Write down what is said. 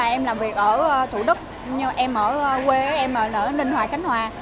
em làm việc ở thủ đức em ở quê em ở ninh hòa cánh hòa